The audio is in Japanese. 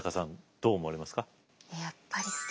どう思われますか？